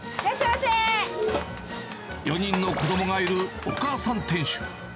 ４人の子どもがいるお母さん店主。